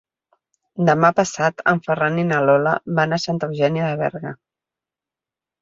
Demà passat en Ferran i na Lola van a Santa Eugènia de Berga.